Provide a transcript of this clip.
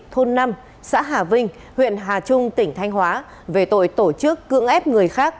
thôn năm xã hà vinh huyện hà trung tỉnh thanh hóa về tội tổ chức cưỡng ép người khác